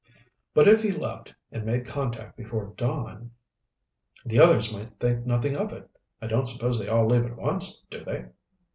"But if he left and made contact before dawn, the others might think nothing of it. I don't suppose they all leave at once, do they?"